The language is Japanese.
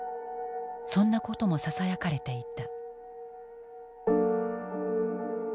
そんなこともささやかれていた。